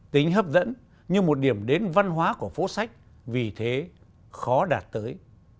tính hấp dẫn như một điểm đến văn hóa của phố sách vì thế khó đạt tới